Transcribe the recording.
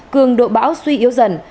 cường độ bão suy yếu dần